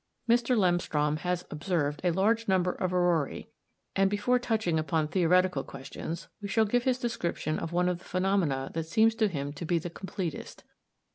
Mr. Lemstrom has observed a large number of auroræ, and before touching upon theoretic questions, we shall give his description of one of the phenomena that seems to him to be the completest.